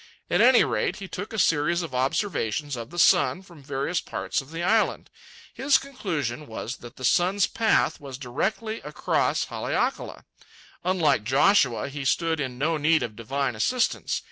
At any rate, he took a series of observations of the sun from various parts of the island. His conclusion was that the sun's path was directly across Haleakala. Unlike Joshua, he stood in no need of divine assistance.